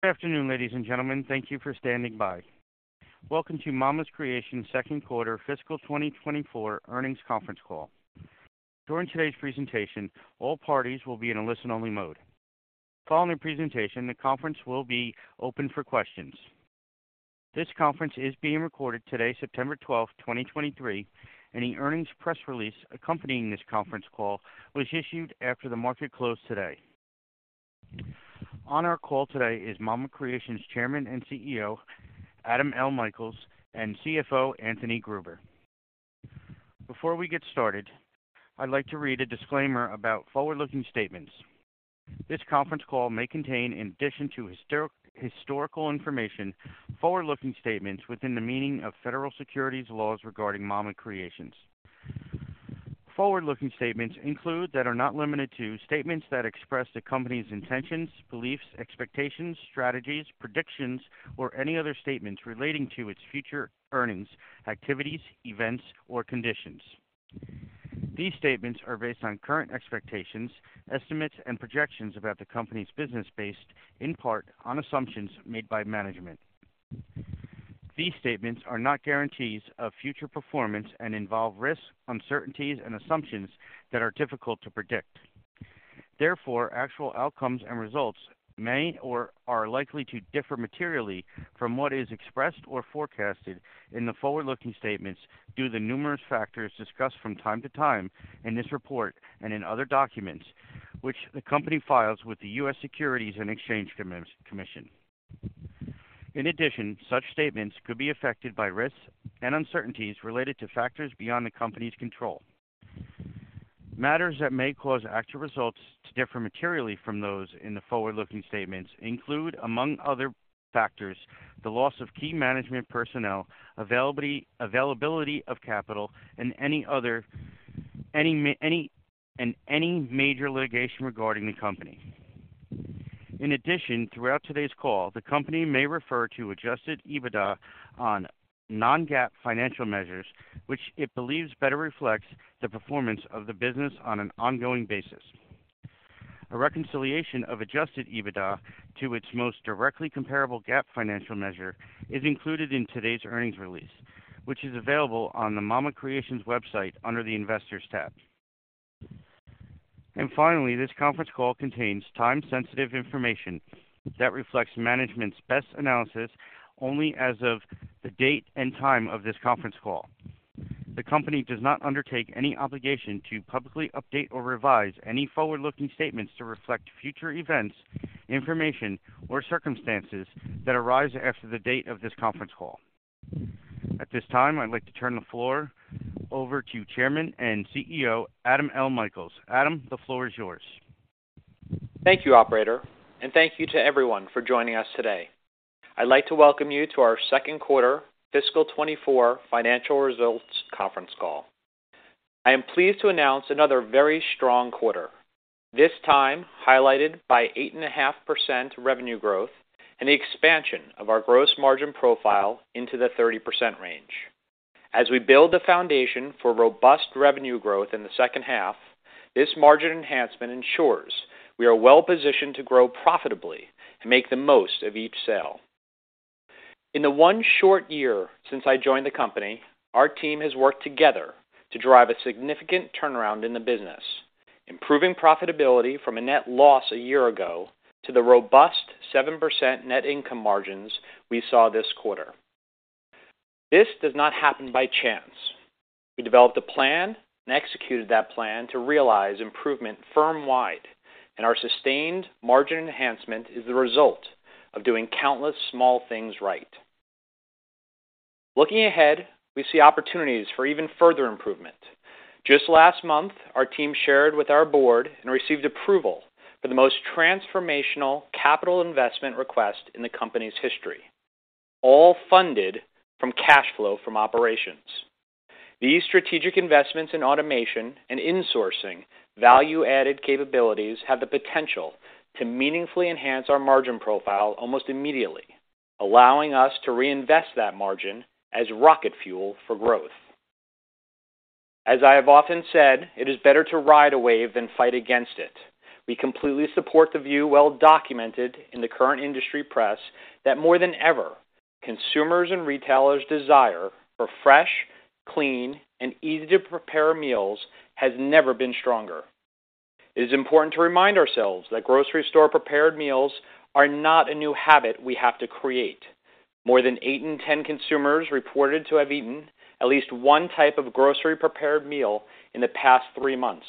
Good afternoon, ladies and gentlemen. Thank you for standing by. Welcome to Mama's Creations second quarter fiscal 2024 earnings conference call. During today's presentation, all parties will be in a listen-only mode. Following the presentation, the conference will be open for questions. This conference is being recorded today, September 12th, 2023, and the earnings press release accompanying this conference call was issued after the market closed today. On our call today is Mama's Creations Chairman and CEO, Adam L. Michaels, and CFO, Anthony Gruber. Before we get started, I'd like to read a disclaimer about forward-looking statements. This conference call may contain, in addition to historical information, forward-looking statements within the meaning of federal securities laws regarding Mama's Creations. Forward-looking statements include, that are not limited to, statements that express the Company's intentions, beliefs, expectations, strategies, predictions, or any other statements relating to its future earnings, activities, events, or conditions. These statements are based on current expectations, estimates, and projections about the Company's business, based in part on assumptions made by management. These statements are not guarantees of future performance and involve risks, uncertainties and assumptions that are difficult to predict. Therefore, actual outcomes and results may or are likely to differ materially from what is expressed or forecasted in the forward-looking statements due to numerous factors discussed from time to time in this report and in other documents, which the Company files with the U.S. Securities and Exchange Commission. In addition, such statements could be affected by risks and uncertainties related to factors beyond the Company's control. Matters that may cause actual results to differ materially from those in the forward-looking statements include, among other factors, the loss of key management personnel, availability of capital, and any major litigation regarding the Company. In addition, throughout today's call, the Company may refer to Adjusted EBITDA on non-GAAP financial measures, which it believes better reflects the performance of the business on an ongoing basis. A reconciliation of Adjusted EBITDA to its most directly comparable GAAP financial measure is included in today's earnings release, which is available on the Mama's Creations website under the Investors tab. Finally, this conference call contains time-sensitive information that reflects management's best analysis only as of the date and time of this conference call. The Company does not undertake any obligation to publicly update or revise any forward-looking statements to reflect future events, information, or circumstances that arise after the date of this conference call. At this time, I'd like to turn the floor over to Chairman and CEO, Adam L. Michaels. Adam, the floor is yours. Thank you, Operator, and thank you to everyone for joining us today. I'd like to welcome you to our second quarter fiscal 2024 financial results conference call. I am pleased to announce another very strong quarter, this time highlighted by 8.5% revenue growth and the expansion of our gross margin profile into the 30% range. As we build the foundation for robust revenue growth in the second half, this margin enhancement ensures we are well positioned to grow profitably and make the most of each sale. In the 1 short year since I joined the company, our team has worked together to drive a significant turnaround in the business, improving profitability from a net loss a year ago to the robust 7% net income margins we saw this quarter. This does not happen by chance. We developed a plan and executed that plan to realize improvement firm-wide, and our sustained margin enhancement is the result of doing countless small things right. Looking ahead, we see opportunities for even further improvement. Just last month, our team shared with our board and received approval for the most transformational capital investment request in the Company's history, all funded from cash flow from operations. These strategic investments in automation and insourcing value-added capabilities have the potential to meaningfully enhance our margin profile almost immediately, allowing us to reinvest that margin as rocket fuel for growth. As I have often said, it is better to ride a wave than fight against it. We completely support the view, well documented in the current industry press, that more than ever, consumers and retailers' desire for fresh, clean, and easy-to-prepare meals has never been stronger. It is important to remind ourselves that grocery store-prepared meals are not a new habit we have to create. More than 8 in 10 consumers reported to have eaten at least one type of grocery-prepared meal in the past 3 months.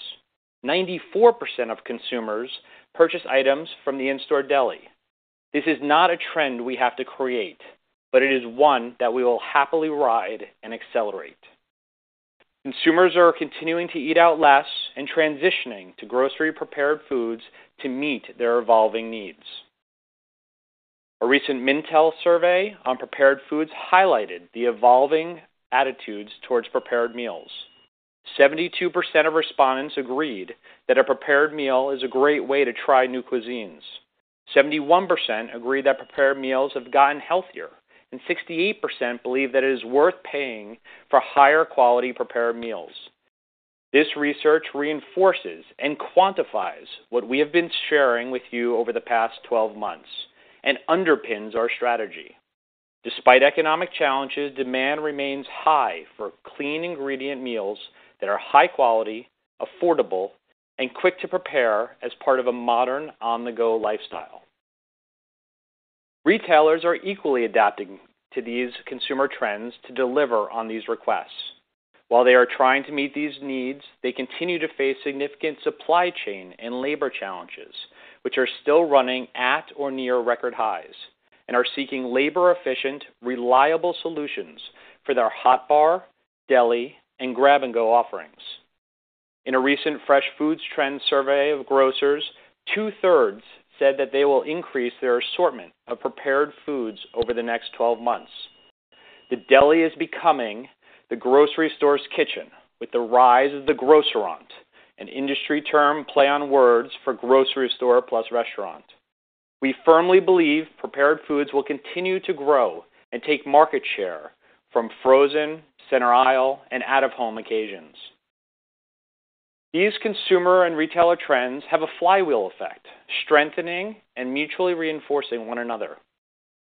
94% of consumers purchase items from the in-store deli. This is not a trend we have to create, but it is one that we will happily ride and accelerate. Consumers are continuing to eat out less and transitioning to grocery-prepared foods to meet their evolving needs. A recent Mintel survey on prepared foods highlighted the evolving attitudes towards prepared meals. 72% of respondents agreed that a prepared meal is a great way to try new cuisines. 71% agree that prepared meals have gotten healthier, and 68% believe that it is worth paying for higher quality prepared meals. This research reinforces and quantifies what we have been sharing with you over the past 12 months and underpins our strategy. Despite economic challenges, demand remains high for clean ingredient meals that are high quality, affordable, and quick to prepare as part of a modern, on-the-go lifestyle. Retailers are equally adapting to these consumer trends to deliver on these requests. While they are trying to meet these needs, they continue to face significant supply chain and labor challenges, which are still running at or near record highs, and are seeking labor-efficient, reliable solutions for their hot bar, deli, and grab-and-go offerings. In a recent fresh foods trend survey of grocers, 2/3 said that they will increase their assortment of prepared foods over the next 12 months. The deli is becoming the grocery store's kitchen, with the rise of the grocerant, an industry term play on words for grocery store plus restaurant. We firmly believe prepared foods will continue to grow and take market share from frozen, center aisle, and out-of-home occasions. These consumer and retailer trends have a flywheel effect, strengthening and mutually reinforcing one another.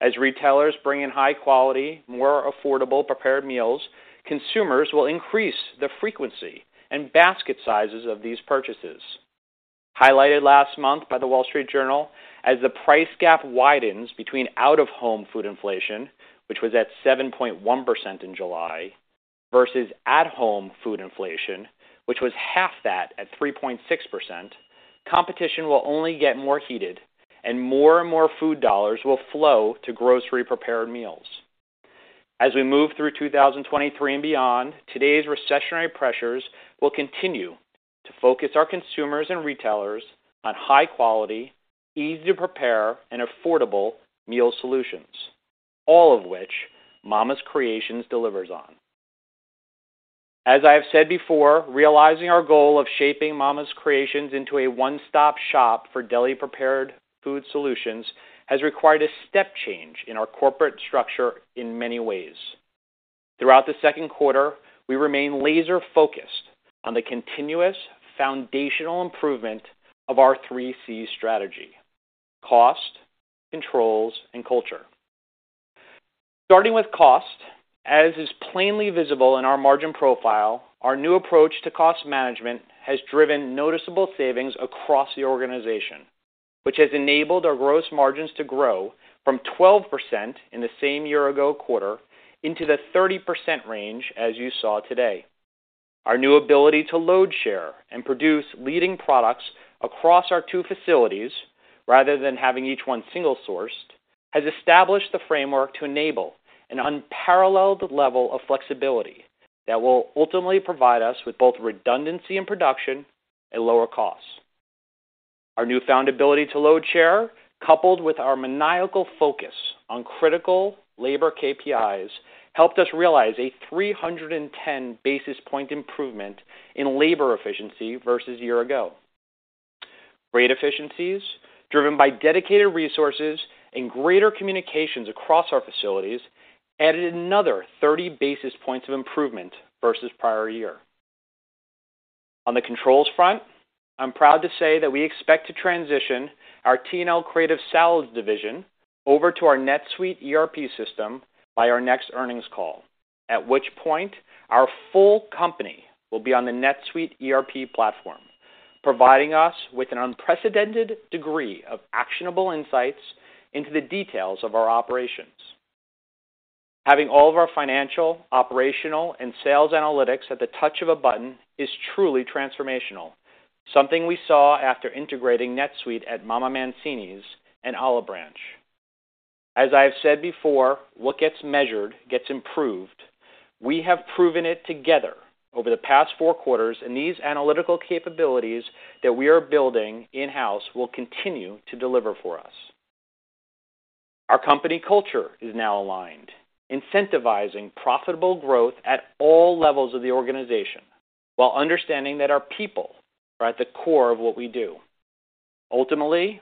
As retailers bring in high quality, more affordable prepared meals, consumers will increase the frequency and basket sizes of these purchases. Highlighted last month by The Wall Street Journal, as the price gap widens between out-of-home food inflation, which was at 7.1% in July, versus at-home food inflation, which was half that at 3.6%, competition will only get more heated and more and more food dollars will flow to grocery-prepared meals. As we move through 2023 and beyond, today's recessionary pressures will continue to focus our consumers and retailers on high quality, easy to prepare, and affordable meal solutions, all of which Mama's Creations delivers on. As I have said before, realizing our goal of shaping Mama's Creations into a one-stop shop for deli-prepared food solutions has required a step change in our corporate structure in many ways. Throughout the second quarter, we remain laser-focused on the continuous foundational improvement of our three C strategy: cost, controls, and culture. Starting with cost, as is plainly visible in our margin profile, our new approach to cost management has driven noticeable savings across the organization, which has enabled our gross margins to grow from 12% in the same year ago quarter into the 30% range, as you saw today. Our new ability to load share and produce leading products across our two facilities, rather than having each one single-sourced, has established the framework to enable an unparalleled level of flexibility that will ultimately provide us with both redundancy in production and lower costs. Our newfound ability to load share, coupled with our maniacal focus on critical labor KPIs, helped us realize a 310 basis point improvement in labor efficiency versus year-ago. Rate efficiencies, driven by dedicated resources and greater communications across our facilities, added another 30 basis points of improvement versus prior-year. On the controls front, I'm proud to say that we expect to transition our T&L Creative Salads division over to our NetSuite ERP system by our next earnings call, at which point our full company will be on the NetSuite ERP platform, providing us with an unprecedented degree of actionable insights into the details of our operations. Having all of our financial, operational, and sales analytics at the touch of a button is truly transformational, something we saw after integrating NetSuite at MamaMancini's and Olive Branch. As I have said before, what gets measured gets improved. We have proven it together over the past four quarters, and these analytical capabilities that we are building in-house will continue to deliver for us. Our company culture is now aligned, incentivizing profitable growth at all levels of the organization, while understanding that our people are at the core of what we do. Ultimately,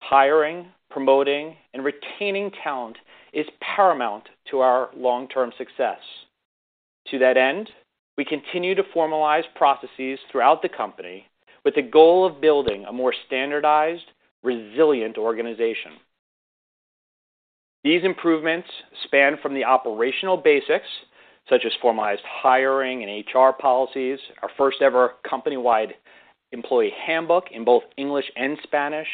hiring, promoting, and retaining talent is paramount to our long-term success. To that end, we continue to formalize processes throughout the company with the goal of building a more standardized, resilient organization. These improvements span from the operational basics, such as formalized hiring and HR policies, our first-ever company-wide employee handbook in both English and Spanish,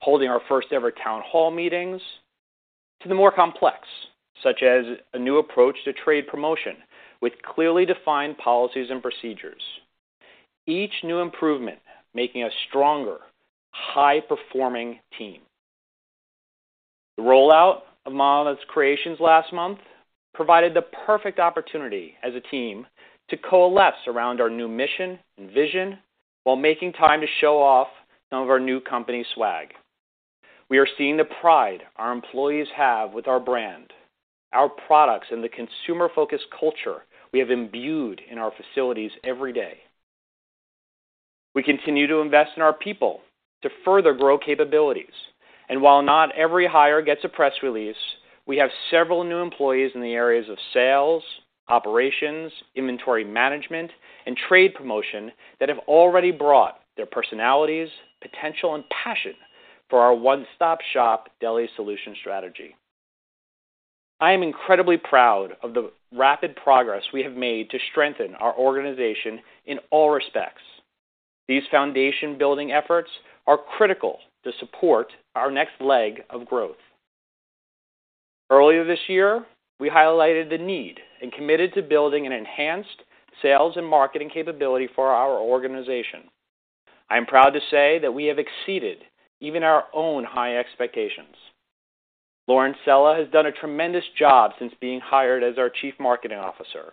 holding our first-ever town hall meetings, to the more complex, such as a new approach to trade promotion with clearly defined policies and procedures. Each new improvement making us stronger, high-performing team. The rollout of Mama's Creations last month provided the perfect opportunity as a team to coalesce around our new mission and vision while making time to show off some of our new company swag. We are seeing the pride our employees have with our brand, our products, and the consumer-focused culture we have imbued in our facilities every day. We continue to invest in our people to further grow capabilities. While not every hire gets a press release, we have several new employees in the areas of sales, operations, inventory management, and trade promotion that have already brought their personalities, potential, and passion for our one-stop-shop deli solution strategy. I am incredibly proud of the rapid progress we have made to strengthen our organization in all respects. These foundation-building efforts are critical to support our next leg of growth. Earlier this year, we highlighted the need and committed to building an enhanced sales and marketing capability for our organization. I am proud to say that we have exceeded even our own high expectations. Lauren Sella has done a tremendous job since being hired as our Chief Marketing Officer.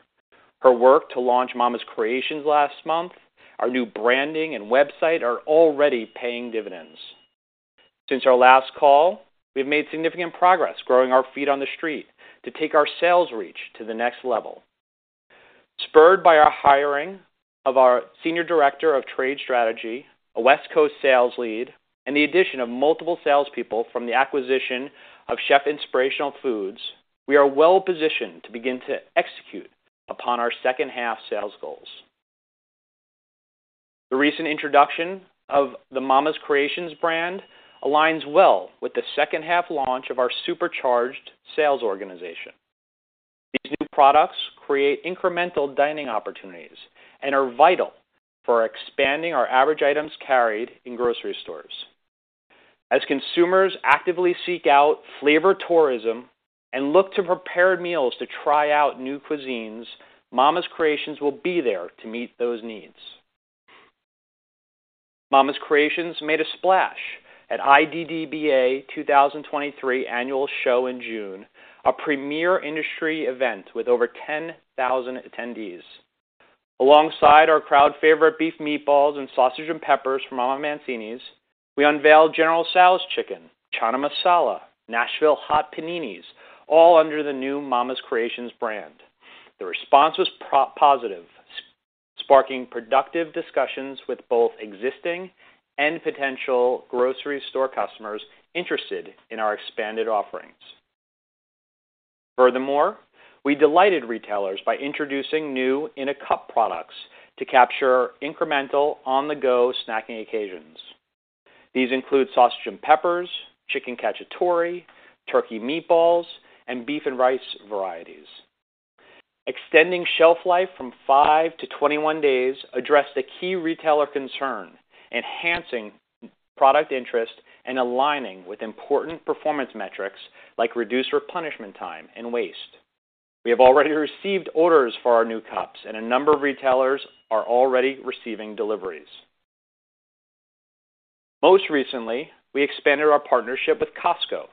Her work to launch Mama's Creations last month, our new branding and website, are already paying dividends. Since our last call, we've made significant progress growing our feet on the street to take our sales reach to the next level. Spurred by our hiring of our Senior Director of Trade Strategy, a West Coast sales lead, and the addition of multiple salespeople from the acquisition of Chef Inspirational Foods, we are well-positioned to begin to execute upon our second-half sales goals. The recent introduction of the Mama's Creations brand aligns well with the second-half launch of our supercharged sales organization. These new products create incremental dining opportunities and are vital for expanding our average items carried in grocery stores. As consumers actively seek out flavor tourism and look to prepared meals to try out new cuisines, Mama's Creations will be there to meet those needs. Mama's Creations made a splash at IDDBA 2023 annual show in June, a premier industry event with over 10,000 attendees. Alongside our crowd-favorite beef meatballs and sausage and peppers from MamaMancini's, we unveiled General Tso's Chicken, Chana Masala, Nashville Hot Paninis, all under the new Mama's Creations brand. The response was positive, sparking productive discussions with both existing and potential grocery store customers interested in our expanded offerings. Furthermore, we delighted retailers by introducing new In-A-Cup products to capture incremental on-the-go snacking occasions. These include sausage and peppers, chicken cacciatore, turkey meatballs, and beef and rice varieties. Extending shelf life from 5-21 days addressed a key retailer concern, enhancing product interest and aligning with important performance metrics like reduced replenishment time and waste. We have already received orders for our new cups, and a number of retailers are already receiving deliveries. Most recently, we expanded our partnership with Costco,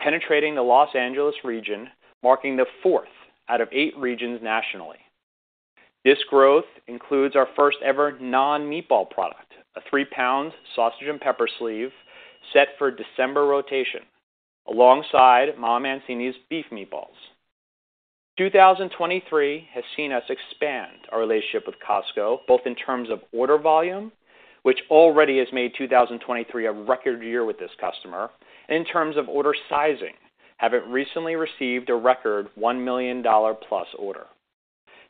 penetrating the Los Angeles region, marking the fourth out of eight regions nationally. This growth includes our first-ever non-meatball product, a 3-pound sausage and pepper sleeve set for December rotation, alongside MamaMancini's Beef Meatballs. 2023 has seen us expand our relationship with Costco, both in terms of order volume, which already has made 2023 a record year with this customer, and in terms of order sizing, having recently received a record $1 million+ order.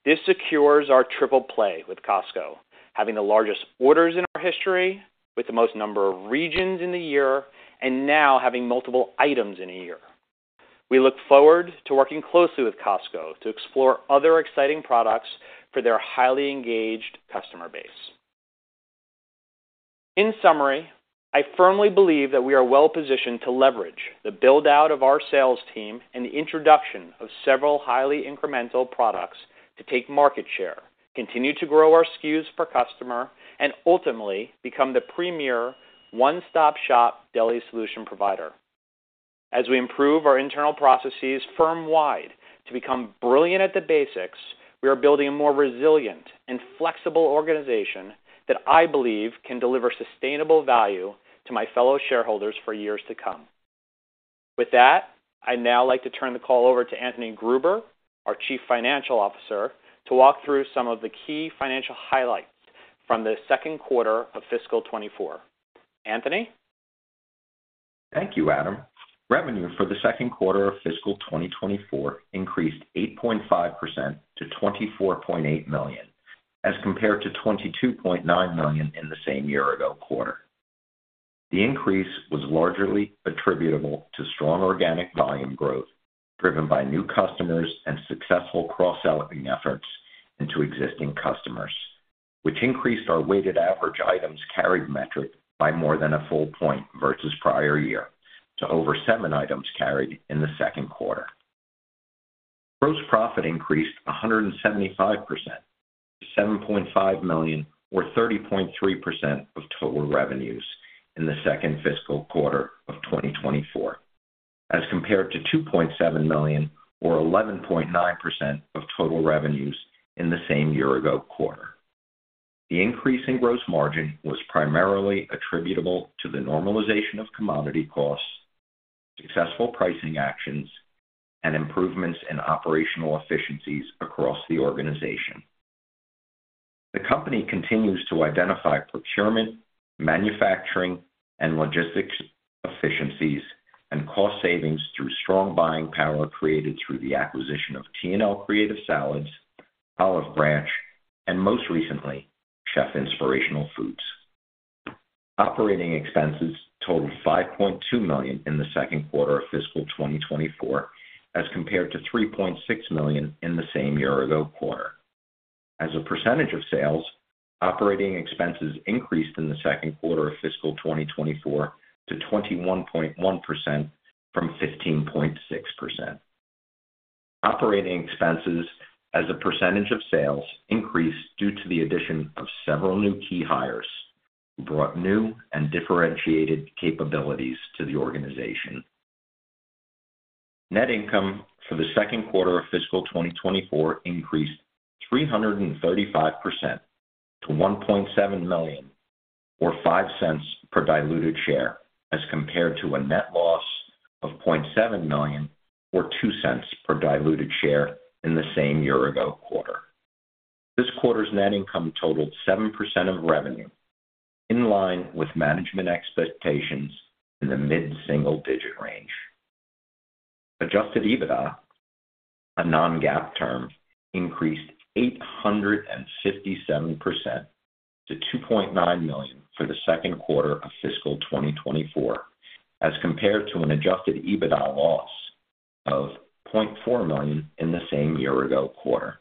This secures our triple play with Costco, having the largest orders in our history, with the most number of regions in a year, and now having multiple items in a year. We look forward to working closely with Costco to explore other exciting products for their highly engaged customer base. In summary, I firmly believe that we are well positioned to leverage the build-out of our sales team and the introduction of several highly incremental products to take market share, continue to grow our SKUs per customer, and ultimately become the premier one-stop-shop deli solution provider. As we improve our internal processes firm-wide to become brilliant at the basics, we are building a more resilient and flexible organization that I believe can deliver sustainable value to my fellow shareholders for years to come. With that, I'd now like to turn the call over to Anthony Gruber, our Chief Financial Officer, to walk through some of the key financial highlights from the second quarter of fiscal 2024. Anthony? Thank you, Adam. Revenue for the second quarter of fiscal 2024 increased 8.5% to $24.8 million, as compared to $22.9 million in the same year-ago quarter. The increase was largely attributable to strong organic volume growth, driven by new customers and successful cross-selling efforts into existing customers, which increased our weighted average items carried metric by more than a full point versus prior year to over 7 items carried in the second quarter. Gross profit increased 175% to $7.5 million, or 30.3% of total revenues, in the second fiscal quarter of 2024, as compared to $2.7 million, or 11.9% of total revenues in the same year-ago quarter. The increase in gross margin was primarily attributable to the normalization of commodity costs. Successful pricing actions and improvements in operational efficiencies across the organization. The company continues to identify procurement, manufacturing, and logistics efficiencies and cost savings through strong buying power created through the acquisition of T&L Creative Salads, Olive Branch, and most recently, Chef Inspirational Foods. Operating expenses totaled $5.2 million in the second quarter of fiscal 2024, as compared to $3.6 million in the same year-ago quarter. As a percentage of sales, operating expenses increased in the second quarter of fiscal 2024 to 21.1% from 15.6%. Operating expenses as a percentage of sales increased due to the addition of several new key hires, who brought new and differentiated capabilities to the organization. Net income for the second quarter of fiscal 2024 increased 335% to $1.7 million, or $0.05 per diluted share, as compared to a net loss of $0.7 million, or $0.02 per diluted share in the same year-ago quarter. This quarter's net income totaled 7% of revenue, in line with management expectations in the mid-single-digit range. Adjusted EBITDA, a non-GAAP term, increased 857% to $2.9 million for the second quarter of fiscal 2024, as compared to an Adjusted EBITDA loss of $0.4 million in the same year-ago quarter.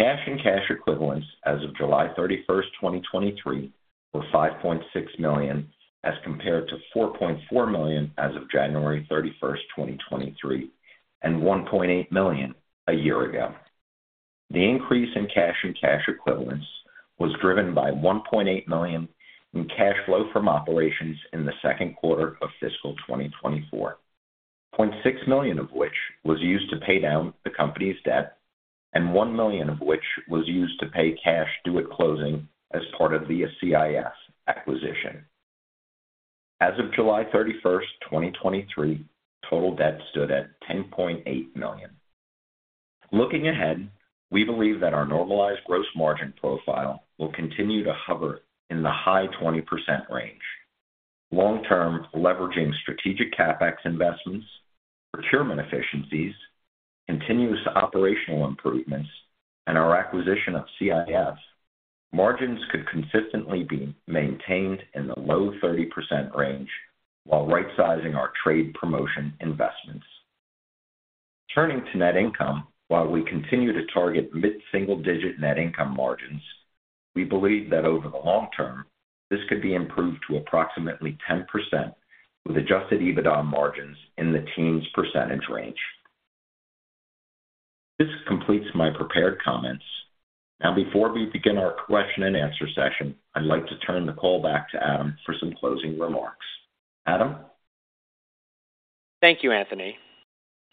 Cash and cash equivalents as of July 31st, 2023, were $5.6 million, as compared to $4.4 million as of January 31st, 2023, and $1.8 million a year ago. The increase in cash and cash equivalents was driven by $1.8 million in cash flow from operations in the second quarter of fiscal 2024, $0.6 million of which was used to pay down the company's debt and $1 million of which was used to pay cash due at closing as part of the CIF acquisition. As of July 31st, 2023, total debt stood at $10.8 million. Looking ahead, we believe that our normalized gross margin profile will continue to hover in the high 20% range. Long term, leveraging strategic CapEx investments, procurement efficiencies, continuous operational improvements, and our acquisition of CIF, margins could consistently be maintained in the low 30% range while rightsizing our trade promotion investments. Turning to net income, while we continue to target mid-single-digit net income margins, we believe that over the long term, this could be improved to approximately 10% with Adjusted EBITDA margins in the teens percentage range. This completes my prepared comments. Now, before we begin our question and answer session, I'd like to turn the call back to Adam for some closing remarks. Adam? Thank you, Anthony.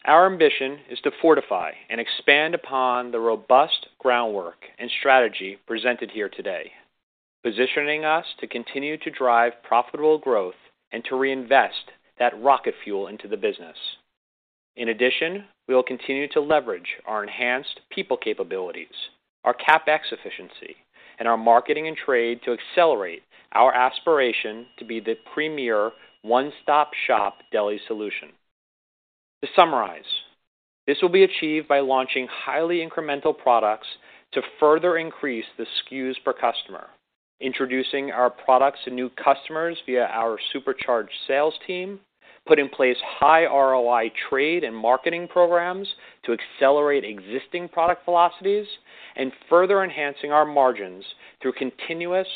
Our ambition is to fortify and expand upon the robust groundwork and strategy presented here today, positioning us to continue to drive profitable growth and to reinvest that rocket fuel into the business. In addition, we will continue to leverage our enhanced people capabilities, our CapEx efficiency, and our marketing and trade to accelerate our aspiration to be the premier one-stop-shop deli solution. To summarize, this will be achieved by launching highly incremental products to further increase the SKUs per customer, introducing our products to new customers via our supercharged sales team, put in place high ROI trade and marketing programs to accelerate existing product velocities, and further enhancing our margins through continuous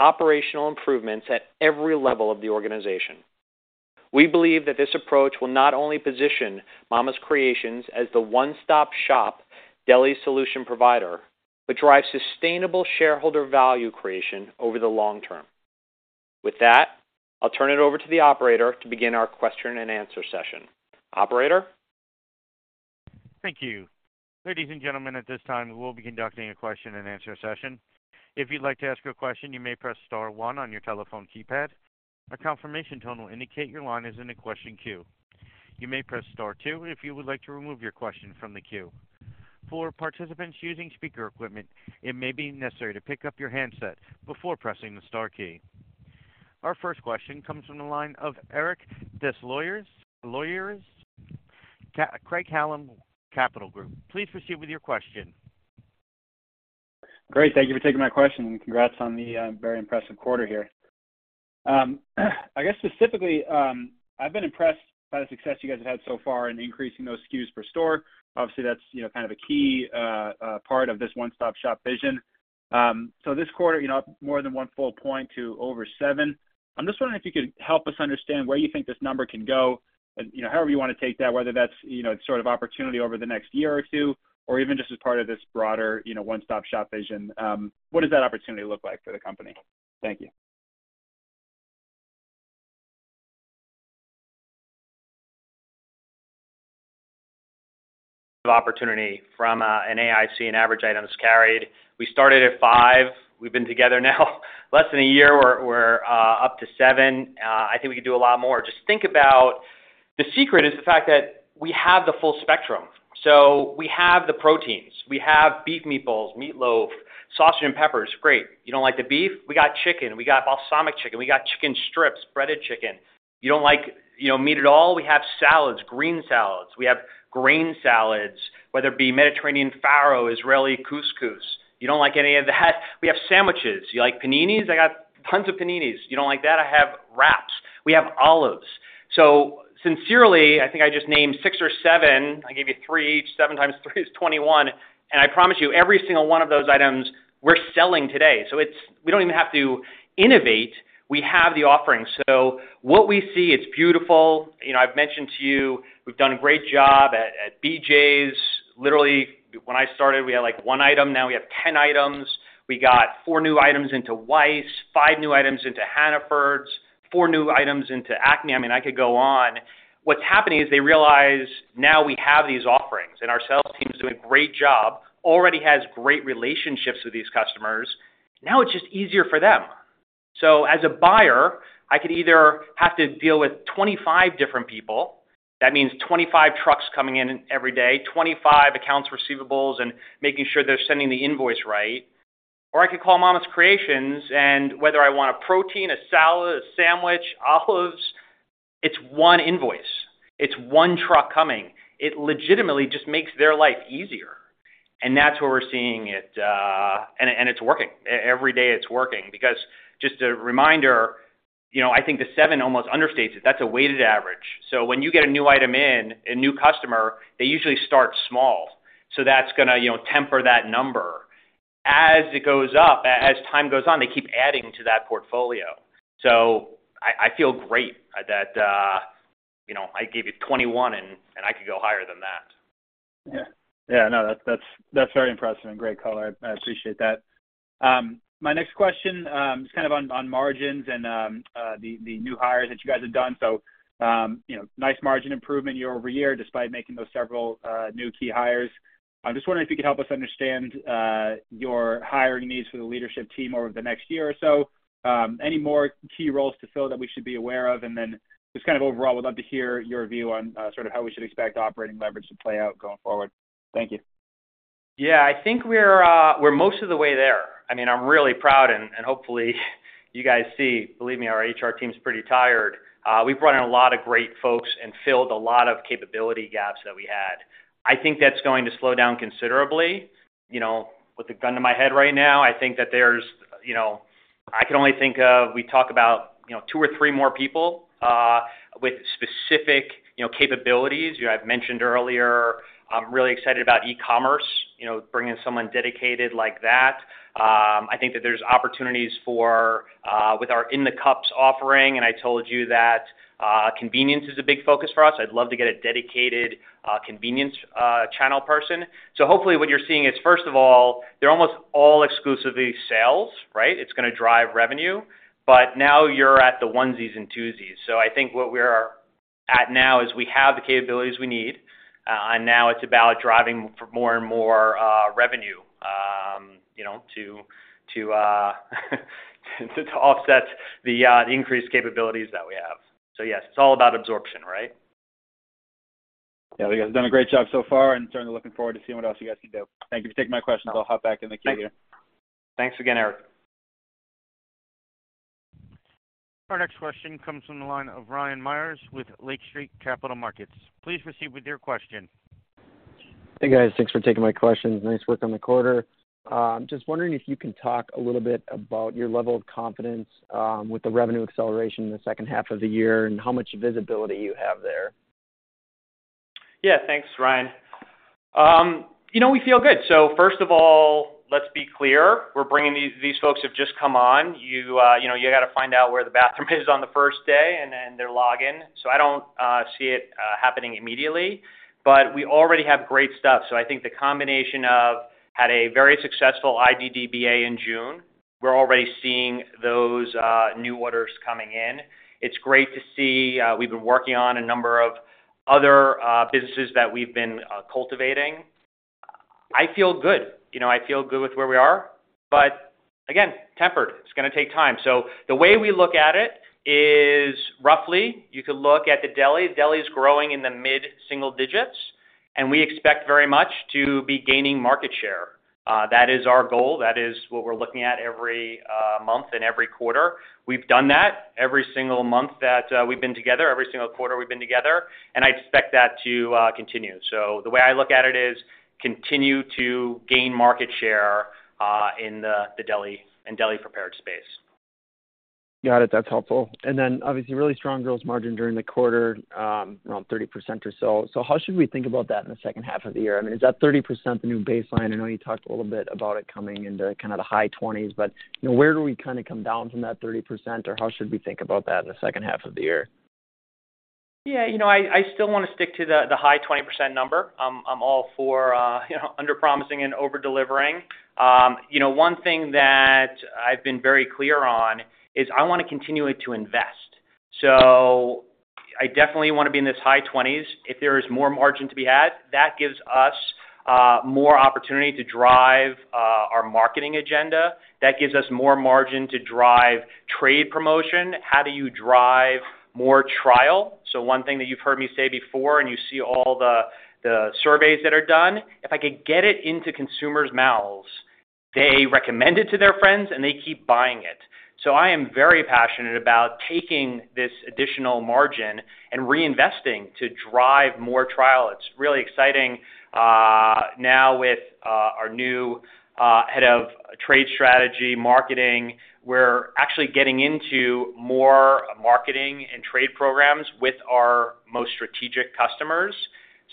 operational improvements at every level of the organization. We believe that this approach will not only position Mama's Creations as the one-stop-shop deli solution provider, but drive sustainable shareholder value creation over the long term. With that, I'll turn it over to the operator to begin our question-and-answer session. Operator? Thank you. Ladies and gentlemen, at this time, we will be conducting a question and answer session. If you'd like to ask a question, you may press star one on your telephone keypad. A confirmation tone will indicate your line is in the question queue. You may press star two if you would like to remove your question from the queue. For participants using speaker equipment, it may be necessary to pick up your handset before pressing the star key. Our first question comes from the line of Eric Des Lauriers, Craig-Hallum Capital Group. Please proceed with your question. Great, thank you for taking my question, and congrats on the very impressive quarter here. I guess specifically, I've been impressed by the success you guys have had so far in increasing those SKUs per store. Obviously, that's, you know, kind of a key part of this one-stop shop vision. So this quarter, you know, more than one full point to over 7. I'm just wondering if you could help us understand where you think this number can go. You know, however you wanna take that, whether that's, you know, sort of opportunity over the next year or two, or even just as part of this broader, you know, one-stop shop vision. What does that opportunity look like for the company? Thank you. Opportunity from an AIC, an Average Items Carried. We started at five, we've been together now less than a year, we're up to seven. I think we could do a lot more. Just think about the secret is the fact that we have the full spectrum. So we have the proteins, we have beef meatballs, meatloaf, sausage and peppers. Great! You don't like the beef? We got chicken, we got balsamic chicken, we got chicken strips, breaded chicken. You don't like, you know, meat at all? We have salads, green salads. We have grain salads, whether it be Mediterranean farro, Israeli couscous. You don't like any of that? We have sandwiches. You like paninis? I got tons of paninis. You don't like that? I have wraps. We have olives. So sincerely, I think I just named six or seven. I gave you three each, seven times three is 21, and I promise you, every single one of those items we're selling today. So it's. We don't even have to innovate, we have the offerings. So what we see, it's beautiful. You know, I've mentioned to you, we've done a great job at BJ's. Literally, when I started, we had, like, one item, now we have 10 items. We got four new items into Weis, five new items into Hannaford, four new items into Acme. I mean, I could go on. What's happening is they realize now we have these offerings, and our sales team is doing a great job. Already has great relationships with these customers. Now it's just easier for them. So as a buyer, I could either have to deal with 25 different people. That means 25 trucks coming in every day, 25 accounts receivables, and making sure they're sending the invoice right. Or I could call Mama's Creations, and whether I want a protein, a salad, a sandwich, olives, it's one invoice, it's one truck coming. It legitimately just makes their life easier, and that's where we're seeing it, and, and it's working. Every day, it's working. Because just a reminder, you know, I think the 7 almost understates it. That's a weighted average. So when you get a new item in, a new customer, they usually start small. So that's gonna, you know, temper that number. As it goes up, as time goes on, they keep adding to that portfolio. So I feel great at that, you know, I gave you 21 and, and I could go higher than that. Yeah. Yeah, I know. That's, that's, that's very impressive and great color. I, I appreciate that. My next question is kind of on, on margins and, the, the new hires that you guys have done. So, you know, nice margin improvement year over year, despite making those several, new key hires. I'm just wondering if you could help us understand, your hiring needs for the leadership team over the next year or so. Any more key roles to fill that we should be aware of? And then just kind of overall, we'd love to hear your view on, sort of how we should expect operating leverage to play out going forward. Thank you. Yeah, I think we're, we're most of the way there. I mean, I'm really proud, and, and hopefully you guys see, believe me, our HR team is pretty tired. We've brought in a lot of great folks and filled a lot of capability gaps that we had. I think that's going to slow down considerably. You know, with a gun to my head right now, I think that there's, you know, I can only think of—we talk about, you know, two or three more people, with specific, you know, capabilities. You know, I've mentioned earlier, I'm really excited about e-commerce, you know, bringing someone dedicated like that. I think that there's opportunities for, with our In the Cups offering, and I told you that, convenience is a big focus for us. I'd love to get a dedicated, convenience, channel person. So hopefully, what you're seeing is, first of all, they're almost all exclusively sales, right? It's gonna drive revenue, but now you're at the onesies and twosies. So I think what we are at now is, we have the capabilities we need, and now it's about driving for more and more, revenue, you know, to offset the increased capabilities that we have. So yes, it's all about absorption, right? Yeah, you guys have done a great job so far, and certainly looking forward to seeing what else you guys can do. Thank you for taking my questions. I'll hop back in the queue here. Thanks again, Eric. Our next question comes from the line of Ryan Meyers with Lake Street Capital Markets. Please proceed with your question. Hey, guys. Thanks for taking my questions. Nice work on the quarter. Just wondering if you can talk a little bit about your level of confidence with the revenue acceleration in the second half of the year and how much visibility you have there? Yeah, thanks, Ryan. You know, we feel good. So first of all, let's be clear, we're bringing these- these folks have just come on. You, you know, you got to find out where the bathroom is on the first day and then their login. So I don't see it happening immediately, but we already have great stuff. So I think the combination of had a very successful IDDBA in June, we're already seeing those new orders coming in. It's great to see, we've been working on a number of other businesses that we've been cultivating. I feel good. You know, I feel good with where we are, but again, tempered. It's gonna take time. So the way we look at it is, roughly, you could look at the deli. Deli is growing in the mid-single digits, and we expect very much to be gaining market share. That is our goal. That is what we're looking at every month and every quarter. We've done that every single month that we've been together, every single quarter we've been together, and I expect that to continue. So the way I look at it is, continue to gain market share in the deli and deli prepared space. Got it. That's helpful. And then, obviously, really strong gross margin during the quarter, around 30% or so. So how should we think about that in the second half of the year? I mean, is that 30% the new baseline? I know you talked a little bit about it coming into kind of the high 20s, but, you know, where do we kinda come down from that 30%, or how should we think about that in the second half of the year? Yeah, you know, I still wanna stick to the high 20% number. I'm all for underpromising and over delivering. You know, one thing that I've been very clear on is, I wanna continue to invest. So I definitely want to be in this high 20s. If there is more margin to be had, that gives us more opportunity to drive our marketing agenda. That gives us more margin to drive trade promotion. How do you drive more trial? So one thing that you've heard me say before, and you see all the surveys that are done, if I could get it into consumers' mouths, they recommend it to their friends, and they keep buying it. So I am very passionate about taking this additional margin and reinvesting to drive more trial. It's really exciting, now with our new head of trade strategy, marketing, we're actually getting into more marketing and trade programs with our most strategic customers.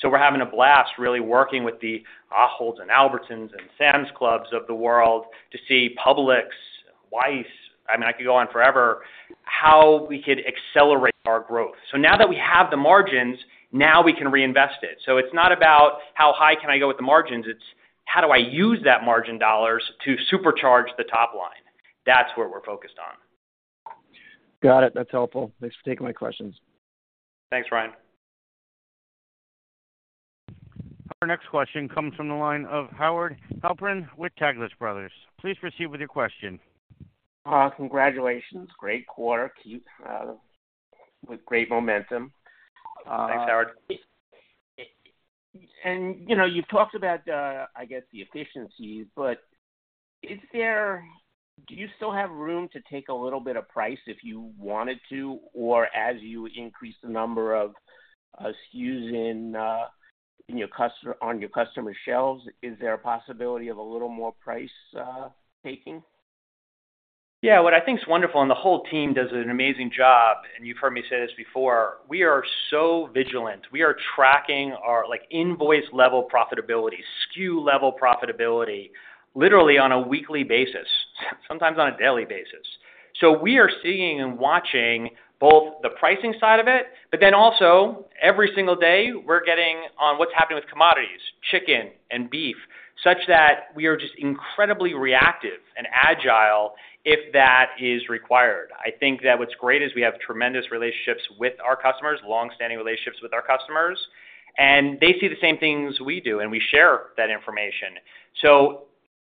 So we're having a blast really working with the Ahold and Albertsons and Sam's Clubs of the world to see Publix, Weis, I mean, I could go on forever, how we could accelerate our growth. So now that we have the margins, now we can reinvest it. So it's not about how high can I go with the margins, it's how do I use that margin dollars to supercharge the top line? That's where we're focused on. Got it. That's helpful. Thanks for taking my questions. Thanks, Ryan. Our next question comes from the line of Howard Halpern with Taglich Brothers. Please proceed with your question. Congratulations. Great quarter. Keep with great momentum, Thanks, Howard. You know, you've talked about, I guess, the efficiencies, but do you still have room to take a little bit of price if you wanted to, or as you increase the number of SKUs on your customer shelves, is there a possibility of a little more price taking? Yeah, what I think is wonderful, and the whole team does an amazing job, and you've heard me say this before: We are so vigilant. We are tracking our, like, invoice-level profitability, SKU-level profitability, literally on a weekly basis, sometimes on a daily basis. So we are seeing and watching both the pricing side of it, but then also, every single day, we're getting on what's happening with commodities, chicken and beef, such that we are just incredibly reactive and agile if that is required. I think that what's great is we have tremendous relationships with our customers, long-standing relationships with our customers, and they see the same things we do, and we share that information. So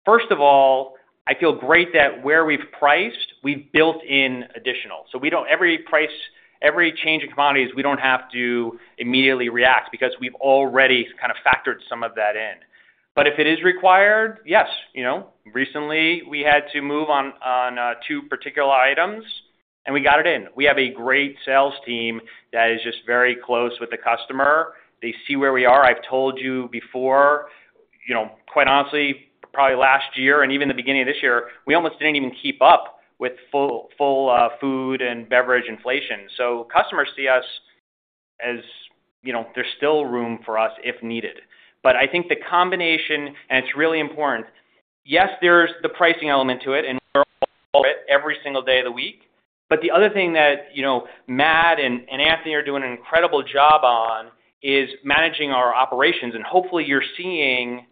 first of all, I feel great that where we've priced, we've built in additional. So we don't. Every price, every change in commodities, we don't have to immediately react because we've already kind of factored some of that in. But if it is required, yes. You know, recently, we had to move on, on, two particular items, and we got it in. We have a great sales team that is just very close with the customer. They see where we are. I've told you before, you know, quite honestly, probably last year and even the beginning of this year, we almost didn't even keep up with full, full, food and beverage inflation. So customers see us as, you know, there's still room for us if needed. But I think the combination, and it's really important, yes, there's the pricing element to it, and every single day of the week, but the other thing that, you know, Matt and Anthony are doing an incredible job on is managing our operations. And hopefully you're seeing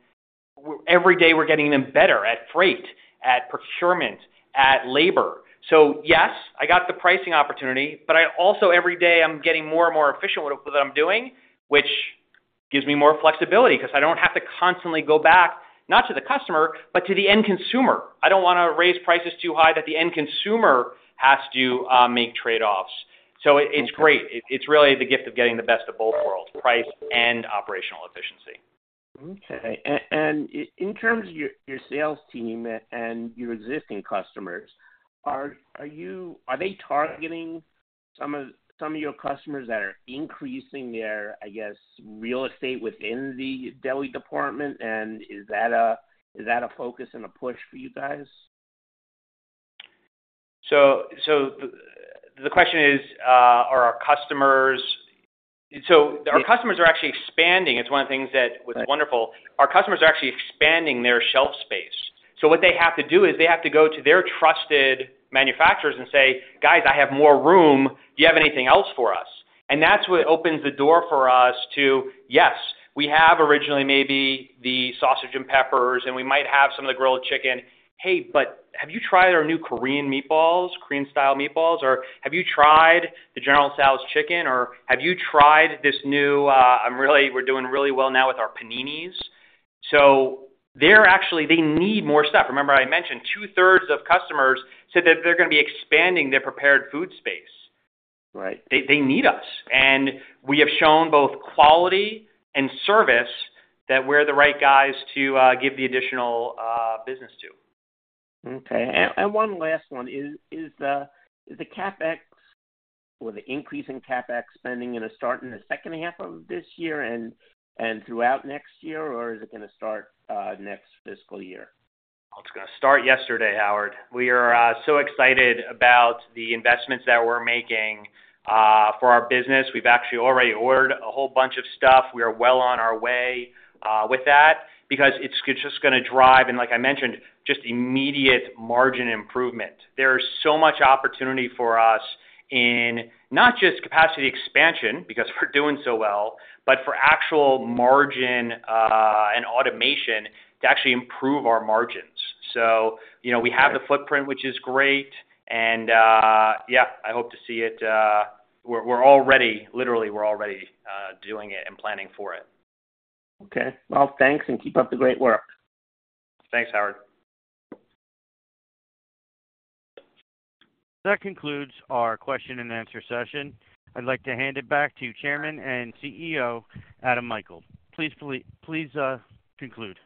every day, we're getting even better at freight, at procurement, at labor. So yes, I got the pricing opportunity, but I also every day, I'm getting more and more efficient with what I'm doing, which gives me more flexibility because I don't have to constantly go back, not to the customer, but to the end consumer. I don't wanna raise prices too high that the end consumer has to make trade-offs. So it's great. It, it's really the gift of getting the best of both worlds, price and operational efficiency. Okay. And in terms of your sales team and your existing customers, are you—are they targeting some of your customers that are increasing their, I guess, real estate within the deli department? And is that a focus and a push for you guys? So, the question is, are our customers. So our customers are actually expanding. It's one of the things that was wonderful. Our customers are actually expanding their shelf space. So what they have to do is they have to go to their trusted manufacturers and say, "Guys, I have more room. Do you have anything else for us?" And that's what opens the door for us to, yes, we have originally maybe the sausage and peppers, and we might have some of the grilled chicken. Hey, but have you tried our new Korean meatballs, Korean-style Meatballs? Or have you tried the General Tso's Chicken? Or have you tried this new, I'm really, we're doing really well now with our paninis. So they're actually, they need more stuff. Remember, I mentioned two-thirds of customers said that they're gonna be expanding their prepared food space. Right. They, they need us, and we have shown both quality and service, that we're the right guys to give the additional business to. Okay. And one last one. Is the CapEx or the increase in CapEx spending gonna start in the second half of this year and throughout next year, or is it gonna start next fiscal year? It's gonna start yesterday, Howard. We are so excited about the investments that we're making for our business. We've actually already ordered a whole bunch of stuff. We are well on our way with that because it's just gonna drive, and like I mentioned, just immediate margin improvement. There's so much opportunity for us in not just capacity expansion, because we're doing so well, but for actual margin and automation to actually improve our margins. So you know, we have the footprint, which is great, and yeah, I hope to see it. We're already, literally, we're already doing it and planning for it. Okay. Well, thanks, and keep up the great work. Thanks, Howard. That concludes our question-and-answer session. I'd like to hand it back to Chairman and CEO, Adam Michaels. Please, please, conclude.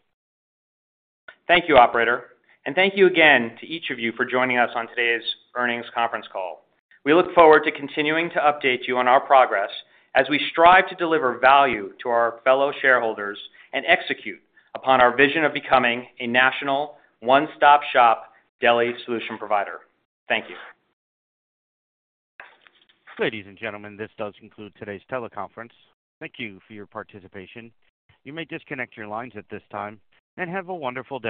Thank you, Operator, and thank you again to each of you for joining us on today's earnings conference call. We look forward to continuing to update you on our progress as we strive to deliver value to our fellow shareholders and execute upon our vision of becoming a national one-stop shop deli solution provider. Thank you. Ladies and gentlemen, this does conclude today's teleconference. Thank you for your participation. You may disconnect your lines at this time, and have a wonderful day.